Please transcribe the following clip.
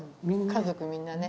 家族みんなね。